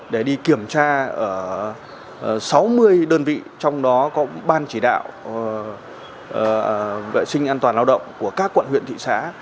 để đi kiểm tra ở sáu mươi đơn vị trong đó có ban chỉ đạo vệ sinh an toàn lao động của các quận huyện thị xã